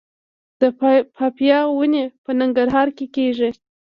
د پاپایا ونې په ننګرهار کې کیږي؟